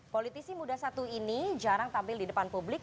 politisi muda satu ini jarang tampil di depan publik